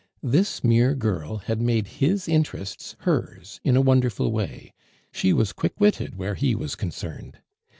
This mere girl had made his interests hers in a wonderful way; she was quick witted where he was concerned.